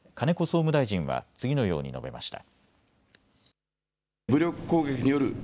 総務大臣は次のように述べました。